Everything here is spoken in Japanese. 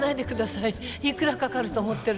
いくらかかると思ってるの。